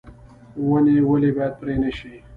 ونې ولې باید پرې نشي؟